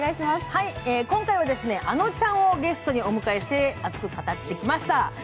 今回はあのちゃんをゲストにお迎えして熱く語ってきました。